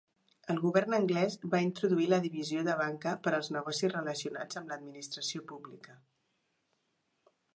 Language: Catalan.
El govern anglès va introduir la divisió de banca per als negocis relacionats amb l'administració pública.